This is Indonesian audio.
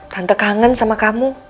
tante kangen sama kamu